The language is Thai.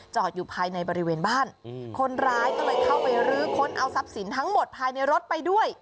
อยู่ภายในบริเวณบ้านคนร้ายก็เลยเข้าไปรื้อค้นเอาทรัพย์สินทั้งหมดภายในรถไปด้วย